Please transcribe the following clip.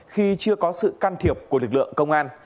khi chưa có sự can thiệp của lực lượng công an